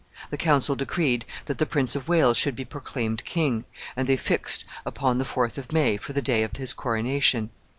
The council decreed that the Prince of Wales should be proclaimed king, and they fixed upon the 4th of May for the day of his coronation.